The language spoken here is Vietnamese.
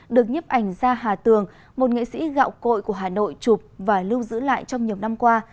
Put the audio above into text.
được nhếp ảnh ra hà tường một nghệ sĩ gạo cội của hà nội chụp và lưu giữ lại trong nhiều năm qua